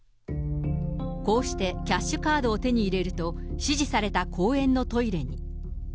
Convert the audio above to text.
こうして、キャッシュカードを手に入れると、指示された公園のトイレに。